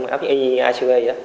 app y như icp